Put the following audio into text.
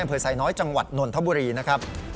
อำเภอไซน้อยจังหวัดนนทบุรีนะครับ